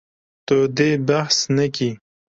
Tu dê behs nekî.